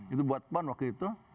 itu buat pan waktu itu